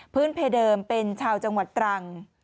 เพเดิมเป็นชาวจังหวัดตรัง